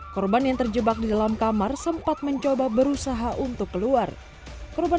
saya pikir itu tempat gudang saya kerja